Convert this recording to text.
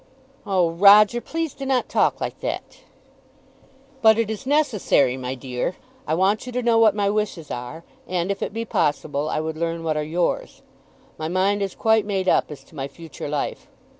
"Oh, Roger, please do not talk like that." "But it is necessary, my dear. I want you to know what my wishes are, and, if it be possible, I would learn what are yours. My mind is quite made up as to my future life.